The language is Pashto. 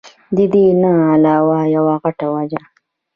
د دې نه علاوه يوه غټه وجه